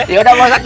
ya udah pak ustaz